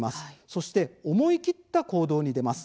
そして思い切った行動に出ます。